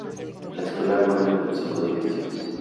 La escuela cuenta con cinco edificios.